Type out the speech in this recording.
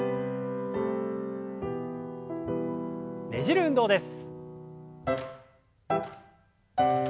ねじる運動です。